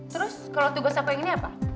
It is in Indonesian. terus kalau tugas apa yang ini apa